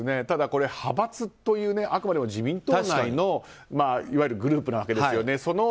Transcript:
ただ、派閥というあくまでも自民党内のいわゆるグループなわけですね。